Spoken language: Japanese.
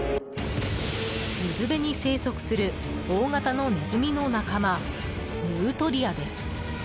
水辺に生息する大型のネズミの仲間ヌートリアです。